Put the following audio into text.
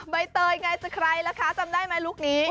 ใบเตยไงจะใครล่ะคะจำได้ไหมลุคนี้